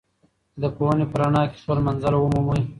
د پوهې په رڼا کې خپل منزل ومومئ.